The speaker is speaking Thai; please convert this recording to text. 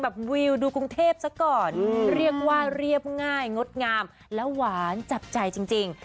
วิวดูกรุงเทพซะก่อนเรียกว่าเรียบง่ายงดงามและหวานจับใจจริง